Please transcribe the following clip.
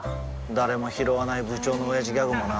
誰もひろわない部長のオヤジギャグもな